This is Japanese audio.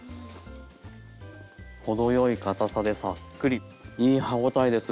程よいかたさでサックリいい歯応えです。